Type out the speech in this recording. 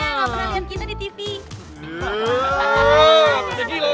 ga pernah liat kita di tv